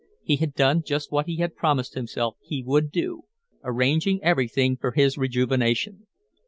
He had done just what he had promised himself he would do, arranging everything for his rejuvenation.